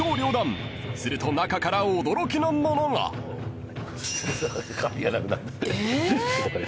［すると中から驚きのものが］えっ！？